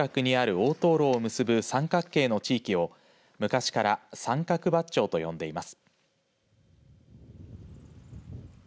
大灯籠を結ぶ三角形の地域を昔から三角八丁と呼んでいます。